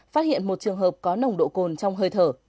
phát hiện một trường hợp có nồng độ cồn trong hơi thở